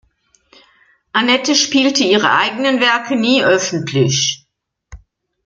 Annette spielte ihre eigenen Werke nie öffentlich.